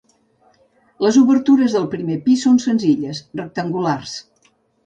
Les obertures del primer pis són senzilles, rectangulars.